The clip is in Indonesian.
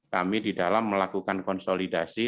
kami di dalam melakukan konsolidasi